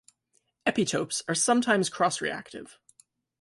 Epitopes are sometimes cross-reactive.